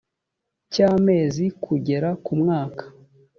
cy amezi kugera ku mwaka